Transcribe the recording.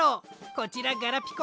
こちらガラピコ。